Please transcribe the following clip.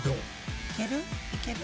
いける？